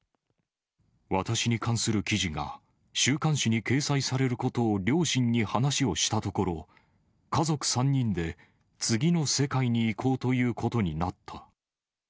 私に関する記事が、週刊誌に掲載されることを両親に話をしたところ、家族３人で次の世界に行こうということになった。